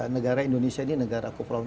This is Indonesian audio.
negara indonesia ini negara kepulauan